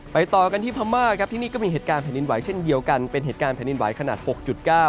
ต่อกันที่พม่าครับที่นี่ก็มีเหตุการณ์แผ่นดินไหวเช่นเดียวกันเป็นเหตุการณ์แผ่นดินไหวขนาดหกจุดเก้า